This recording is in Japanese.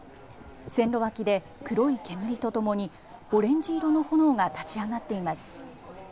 線路脇で黒い煙とともにオレンジ色の炎が立ち上がっています。